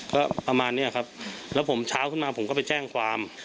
ก็ประมาณเนี้ยครับแล้วผมเช้าขึ้นมาผมก็ไปแจ้งความ